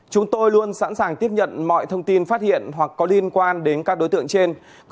chúng tôi luôn sẵn sàng tiếp nhận mọi thông tin phát hiện hoặc có liên quan đến các đối tượng trên